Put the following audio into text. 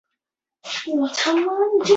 一直延续至汉朝初年。